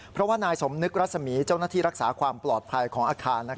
เพราะว่านายสมนึกรัศมีเจ้าหน้าที่รักษาความปลอดภัยของอาคาร